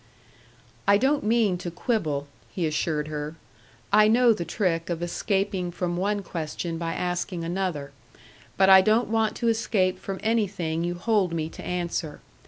"I don't mean to quibble," he assured her. "I know the trick of escaping from one question by asking another. But I don't want to escape from anything you hold me to answer.